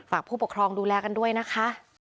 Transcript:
ผู้ปกครองดูแลกันด้วยนะคะ